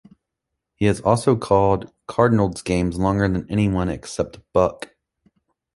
He has also called Cardinals games longer than anyone except Buck.